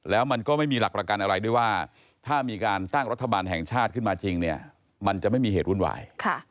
แล้วมันก็ไม่มีหลักประกันอะไรด้วยว่าถ้ามีการตั้งรัฐบาลแห่งชาติขึ้นมาจริงเนี่ยมันจะไม่มีเหตุวุ่นวาย